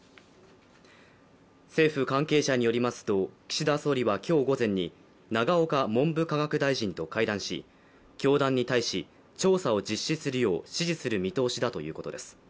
政府関係者によりますと岸田総理は今日午前に永岡文部科学大臣と会談し、教団に対し調査を実施するよう指示する見通しだということです。